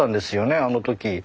あの時。